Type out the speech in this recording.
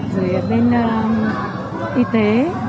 rồi ở bên y tế